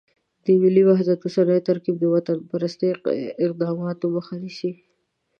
د ملي وحدت اوسنی ترکیب د وطنپرستانه اقداماتو مخه نیسي.